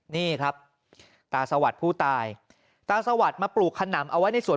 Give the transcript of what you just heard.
นี่ครับตาสวัสดิ์ผู้ตายตาสวัสดิ์มาปลูกขนำเอาไว้ในสวน